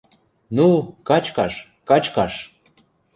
– Ну, качкаш, качкаш!